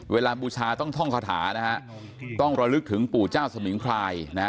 บูชาต้องท่องคาถานะฮะต้องระลึกถึงปู่เจ้าสมิงพรายนะฮะ